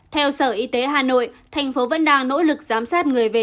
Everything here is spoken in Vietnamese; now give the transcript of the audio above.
theo sở y tế hà nội thành phố vẫn đang nỗ lực giám sát người về